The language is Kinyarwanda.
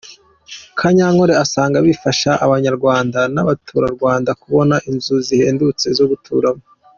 Kanyankole asanga bizafasha Abanyarwanda n’abaturarwanda kubona inzu zihendutse zo guturamo.